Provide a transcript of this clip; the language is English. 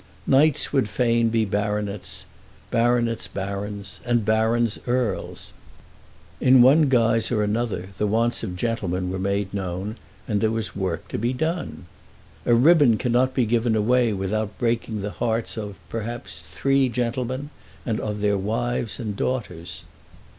Knights would fain be baronets, baronets barons, and barons earls. In one guise or another the wants of gentlemen were made known, and there was work to be done. A ribbon cannot be given away without breaking the hearts of, perhaps, three gentlemen and of their wives and daughters.